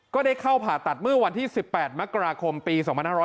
ก็ได้เข้าผ่าตัดเมื่อวันที่๑๘มกราคมปี๒๕๖๐